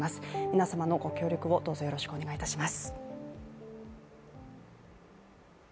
皆様のご協力をどうぞよろしくお願いいたします。